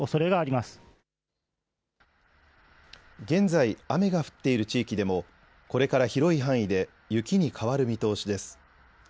現在、雨が降っている地域でもこれから広い範囲で雪に変わる見通しです。